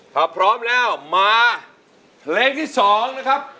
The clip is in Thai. ถ้าพร้อมแล้วมาเพลงที่๒นะครับ